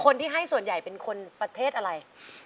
คนที่ให้ส่วนใหญ่เป็นคนประเทศอะไร